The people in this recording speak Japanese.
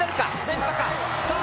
連覇か？